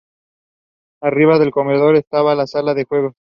Arriba del comedor estaba la Sala de Juegos.